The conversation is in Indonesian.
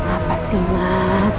apa sih mas